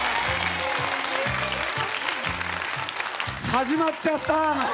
始まっちゃった。